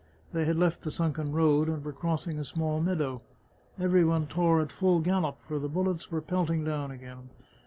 They had left the sunken road, and were crossing a small meadow. Every one tore at full gallop, for the bullets were pelting down again.